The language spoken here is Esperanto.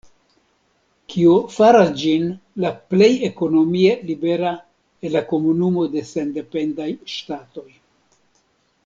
Kio faras ĝin la plej ekonomie libera el la Komunumo de Sendependaj Ŝtatoj.